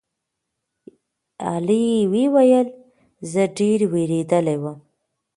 ایلي وویل: "زه ډېره وېرېدلې وم."